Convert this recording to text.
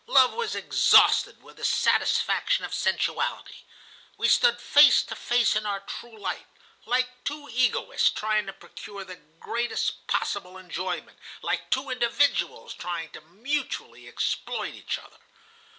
Love was exhausted with the satisfaction of sensuality. We stood face to face in our true light, like two egoists trying to procure the greatest possible enjoyment, like two individuals trying to mutually exploit each other.